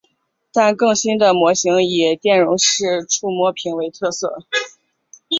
但更新的模型以电容式触摸屏为特色。